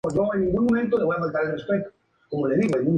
En este tiempo fue nombrado general.